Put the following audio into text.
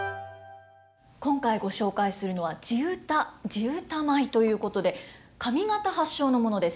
今回ご紹介するのは地唄地唄舞ということで上方発祥のものです。